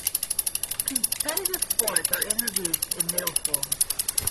Competitive sports are introduced in Middle School.